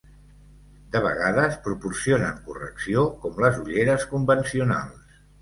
De vegades proporcionen correcció com les ulleres convencionals.